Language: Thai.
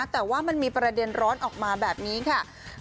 แต่ว่ามันมีประเด็นร้อนออกมาแบบนี้ค่ะ